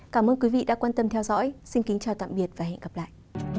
cảm ơn quý vị đã theo dõi xin kính chào tạm biệt và hẹn gặp lại